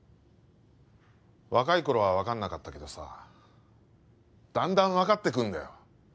若い頃はわかんなかったけどさだんだんわかってくるんだよ